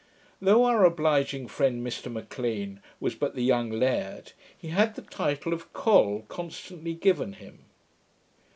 Though our obliging friend, Mr M'Lean, was but the young laird, he had the title of Col constantly given him.